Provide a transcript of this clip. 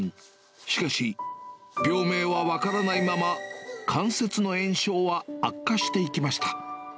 しかし、病名は分からないまま、関節の炎症は悪化していきました。